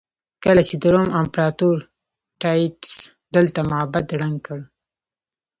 کله چې د روم امپراتور ټایټس دلته معبد ړنګ کړ.